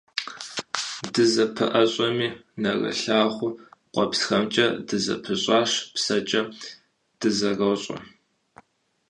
Дызэпэӏэщӏэми, нэрымылъагъу къуэпсхэмкӏэ дызэпыщӏащ, псэкӏэ дызэрощӏэ.